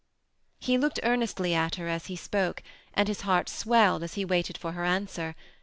He looked earnestly at her as he spoke, and hid^heart swelled as he waited for her answer.